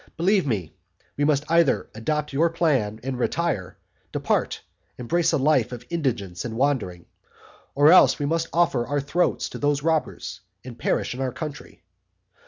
Believe me, we must either adopt your plan, and retire, depart, embrace a life of indigence and wandering, or else we must offer our throats to those robbers, and perish in our country.